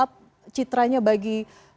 apa citranya bagi